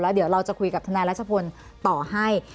เดี๋ยวเราจะคุยกับทนายรัชพลต่อให้